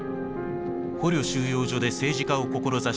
捕虜収容所で政治家を志した